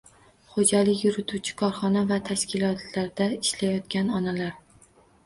Xo‘jalik yurituvchi korxona va tashkilotlarida ishlayotgan onalar